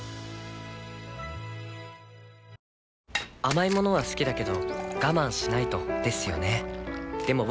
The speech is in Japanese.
甘い物は好きだけど我慢しないとですよね